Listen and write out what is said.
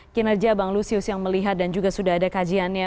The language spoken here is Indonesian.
kinerja bang lusius yang melihat dan juga sudah ada kajiannya